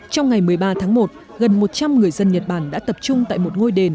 trong ngày một mươi ba tháng một gần một trăm linh người dân nhật bản đã tập trung tại một ngôi đền